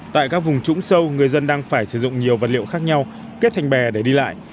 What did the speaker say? tại các vùng trũng sâu người dân đang phải sử dụng nhiều vật liệu khác nhau kết thành bè để đi lại